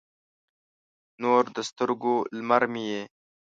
نور د سترګو، لمر مې یې